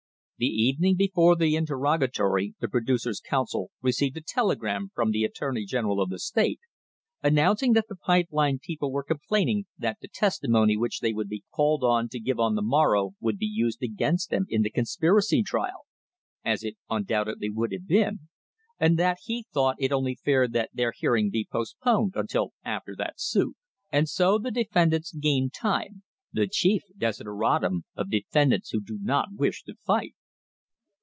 The evening before the interrogatory the producers' counsel received a telegram from the attorney general of the state, announcing that the pipe line people were complaining that the testimony which they would be called on to give on the morrow would be used against them in the conspiracy trial — as it undoubtedly would have been — and that he thought it only fair that their hearing be post poned until after that suit. And so the defendants gained time — the chief desideratum of defendants who do not wish to fight.